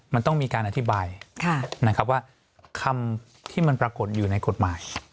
มันต้องมีการอธิบายนะครับว่าคำที่มันปรากฏอยู่ในกฎหมาย